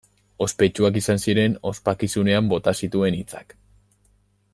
Ospetsuak izan ziren ospakizunean bota zituen hitzak.